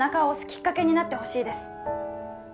きっかけになってほしいです